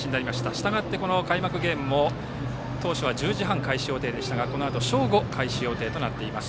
したがって開幕ゲームも当初は１０時半開始予定でしたがこのあと、正午開始予定となっています。